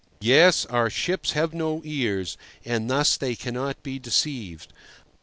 Yes, our ships have no ears, and thus they cannot be deceived.